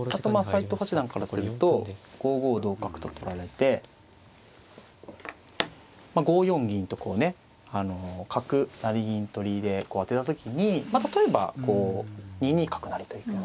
斎藤八段からすると５五同角と取られて５四銀とこうね角成銀取りでこう当てた時にまあ例えばこう２二角成と行くような手。